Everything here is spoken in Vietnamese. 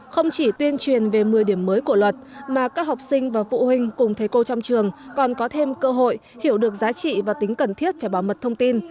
không chỉ tuyên truyền về một mươi điểm mới của luật mà các học sinh và phụ huynh cùng thầy cô trong trường còn có thêm cơ hội hiểu được giá trị và tính cần thiết phải bảo mật thông tin